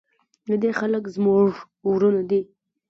د دې خلک زموږ ورونه دي